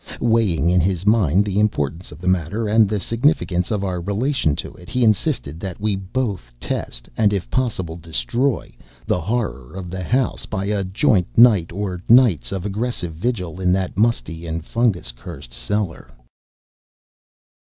Weighing in his mind the importance of the matter, and the significance of our relation to it, he insisted that we both test and if possible destroy the horror of the house by a joint night or nights of aggressive vigil in that musty and fungus cursed cellar.